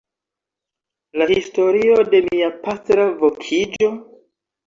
La historio de mia pastra vokiĝo?